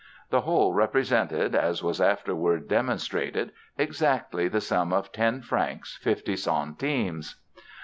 The whole represented, as was afterward demonstrated, exactly the sum of ten francs, fifty centimes.